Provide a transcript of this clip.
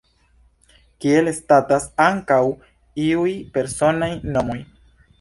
Tiel statas ankaŭ iuj personaj nomoj.